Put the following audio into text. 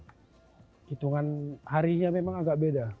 hitungan harinya memang agak beda